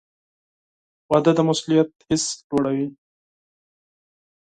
• واده د مسؤلیت حس لوړوي.